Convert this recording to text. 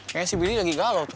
kayaknya si willy lagi galau tuh